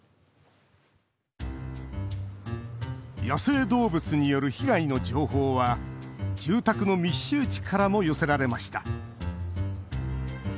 野生動物による被害の情報は住宅の密集地からも寄せられました。